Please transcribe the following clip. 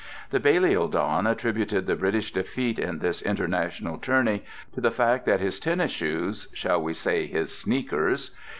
The Balliol don attributed the British defeat in this international tourney to the fact that his tennis shoes (shall we say his "sneakers?")